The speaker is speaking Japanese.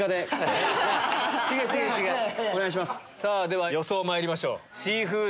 では予想まいりましょう。